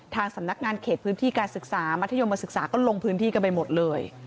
สำนักงานเขตพื้นที่การศึกษามัธยมศึกษาก็ลงพื้นที่กันไปหมดเลย